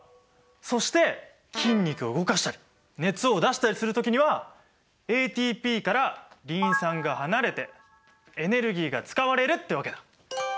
そして筋肉を動かしたり熱を出したりする時にはＡＴＰからリン酸が離れてエネルギーが使われるってわけだ。